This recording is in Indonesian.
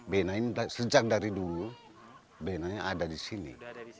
bena ini sejak dari dulu ada di sini